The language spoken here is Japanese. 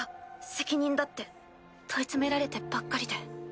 責任だ」って問い詰められてばっかりで。